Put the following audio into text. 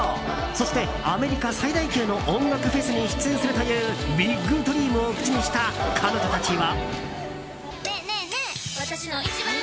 そして、アメリカ最大級の音楽フェスに出演するというビッグドリームを口にした彼女たちは。